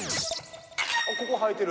あここ履いてる。